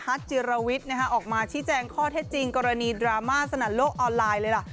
จิรวิทย์ออกมาชี้แจงข้อเท็จจริงกรณีดราม่าสนันโลกออนไลน์เลยล่ะ